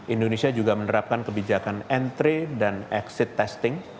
indonesia juga menerapkan kebijakan entry dan exit testing